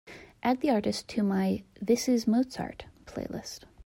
Add the artist to my This Is Mozart playlist.